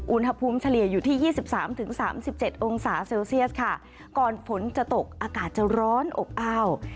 อุณหภูมิเฉลี่ยอยู่ที่๒๓๓๗องศาเซลเซียสค่ะก่อนฝนจะตกอากาศจะร้อนอบอ้าว